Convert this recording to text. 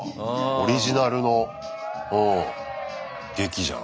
オリジナルの劇じゃん。